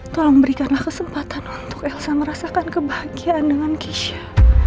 tolong berikanlah kesempatan untuk elsa merasakan kebahagiaan dengan kisha